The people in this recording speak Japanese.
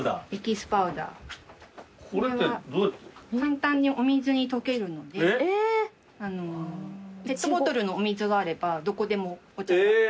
簡単にお水に溶けるのでペットボトルのお水があればどこでもお茶が作れる。